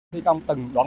thi công từng đoạn một